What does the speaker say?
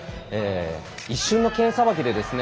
一瞬の剣さばきでですね。